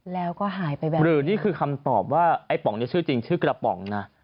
แล้วก็หายไปแบบนี้หรือนี่คือคำตอบว่าไอ้ป๋องนี้ชื่อจริงชื่อกระป๋องนะ